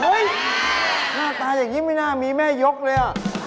เฮ่ยหน้าตาอย่างนี้ไม่น่ามีแม่ยกเลย